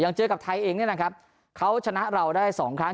เจอกับไทยเองเนี่ยนะครับเขาชนะเราได้สองครั้ง